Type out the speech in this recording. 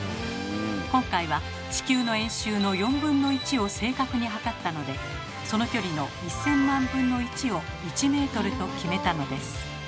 今回は地球の円周の４分の１を正確に測ったのでその距離の１，０００万分の１を１ｍと決めたのです。